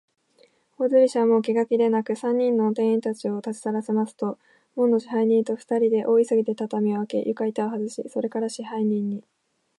大鳥氏は、もう気が気でなく、三人の店員たちをたちさらせますと、門野支配人とふたりで、大急ぎで畳をあけ、床板をはずし、それから、支配人に